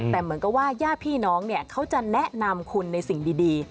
แต่เหมือนกับว่าญาติพี่น้องเนี่ยเขาจะแนะนำคุณในสิ่งดี